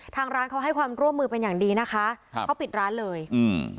ทางร้านเขาให้ความร่วมมือเป็นอย่างดีนะคะครับเขาปิดร้านเลยอืม